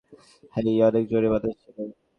হেই, অনেক জোরে বাতাস ছিল।